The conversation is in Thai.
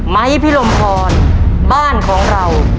ไม้พิลมพร